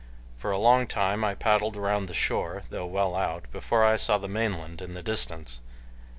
For a long time I paddled around the shore, though well out, before I saw the mainland in the distance.